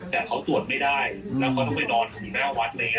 แต่เขาตรวจไม่ได้แล้วเขาต้องไปนอนอยู่หน้าวัดเลย